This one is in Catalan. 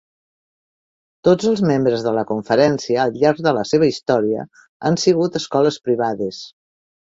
Tots els membres de la conferència al llarg de la seva història han sigut escoles privades.